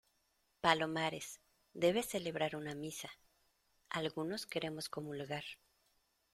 palomares, debes celebrar una misa. algunos queremos comulgar